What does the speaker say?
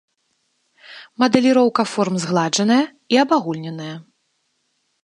Мадэліроўка форм згладжаная і абагульненая.